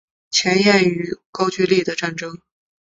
前燕与高句丽的战争